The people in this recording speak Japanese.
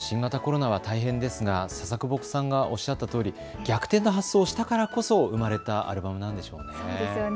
新型コロナは大変ですが笹久保さんがおっしゃったとおり逆転の発想をしたからこそ生まれたアルバムなんでしょうね。